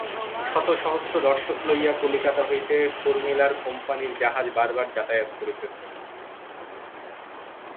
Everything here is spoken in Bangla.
শত সহস্র দর্শক লইয়া কলিকাতা হইতে হোরমিলার কোম্পানীর জাহাজ বার বার যাতায়াত করিতেছে।